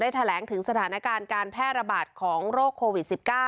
แถลงถึงสถานการณ์การแพร่ระบาดของโรคโควิด๑๙